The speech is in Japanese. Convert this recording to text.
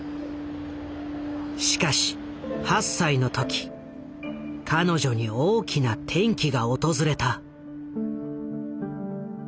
しかし８歳の時彼女に大きな転機が訪れた。